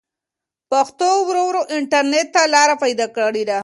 پښتو ورو ورو انټرنټ ته لاره پيدا کړې ده.